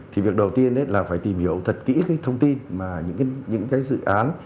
thì việc đầu tiên là phải tìm hiểu thật kỹ cái thông tin mà những cái dự án